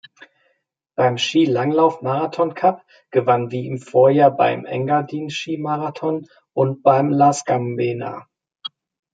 Beim Skilanglauf-Marathon-Cup gewann wie im Vorjahr beim Engadin Skimarathon und beim La Sgambeda.